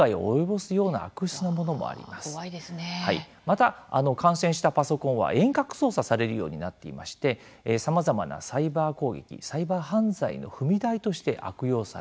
また感染したパソコンは遠隔操作されるようになっていましてさまざまなサイバー攻撃サイバー犯罪の踏み台として悪用されます。